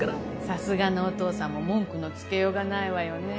さすがのお父さんも文句のつけようがないわよね。